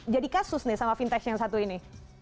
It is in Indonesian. jadi kasus nih sama fintech yang satu ini